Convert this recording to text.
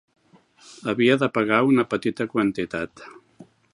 Havia de pagar una petita quantitat.